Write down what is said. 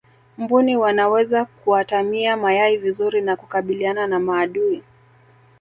mbuni wanaweza kuatamia mayai vizuri na kukabiliana na maadui